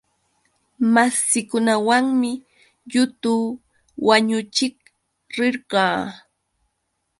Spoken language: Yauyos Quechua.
Massikunawanmi yutu wañuchiq rirqaa.